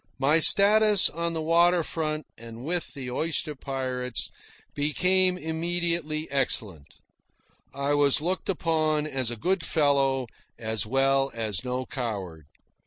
My status on the water front and with the oyster pirates became immediately excellent. I was looked upon as a good fellow, as well as no coward.